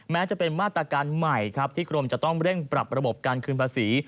แม้จะเป็นมาตรการใหม่ครับที่กรมจะต้องเร่งปรับระบบการคืนภาษี